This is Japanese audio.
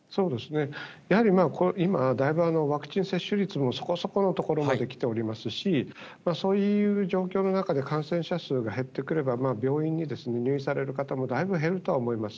やはり今、だいぶワクチン接種率もそこそこのところまできておりますし、そういう状況の中で感染者数が減ってくれば、病院に入院される方もだいぶ減るとは思います。